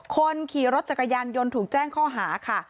คนขี่รถจักรยานยนต์ถูกแจ้งข้อหาค่ะ